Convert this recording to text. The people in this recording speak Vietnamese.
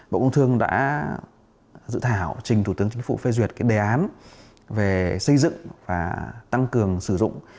bộ công thương đã dự thảo trình thủ tướng chính phủ phê duyệt đề án về xây dựng